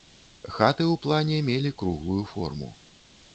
Хаты ў плане мелі круглую форму.